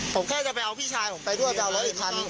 ผมแค่จะไปเอาพี่ชายผมไปด้วยไปเอารถอีกคัน